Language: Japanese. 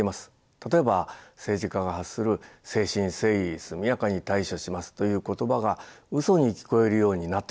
例えば政治家が発する「誠心誠意速やかに対処します」という言葉がうそに聞こえるようになってしまいました。